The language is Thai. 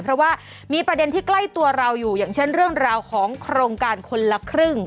เพราะว่ามีประเด็นที่ใกล้ตัวเราอยู่อย่างเช่นเรื่องราวของโครงการคนละครึ่ง